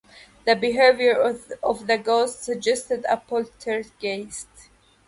The behaviour of the ghost suggests a poltergeist.